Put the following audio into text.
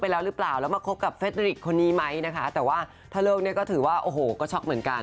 อีกคนนี้ไหมถ้าเลือกก็ถือว่าช็อกเหมือนกัน